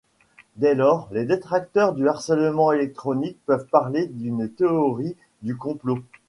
Dès lors, les détracteurs du harcèlement électronique peuvent parler d'une théorie du complot.